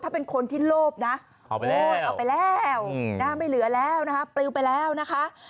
ถ้าเป็นคนที่โลภนะออกไปแล้วน่าไม่เหลือแล้วปลิวไปแล้วนะคะ